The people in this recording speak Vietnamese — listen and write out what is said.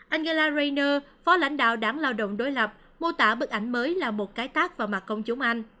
angella rainer phó lãnh đạo đảng lao động đối lập mô tả bức ảnh mới là một cái tác vào mặt công chúng anh